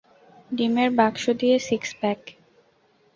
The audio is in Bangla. ডিমের বাক্স দিয়ে সিক্স প্যাক।